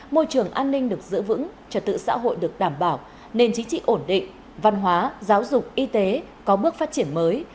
môi trường an ninh được giữ vững trật tự xã hội được đảm bảo nền chính trị ổn định văn hóa giáo dục y tế có bước phát triển mới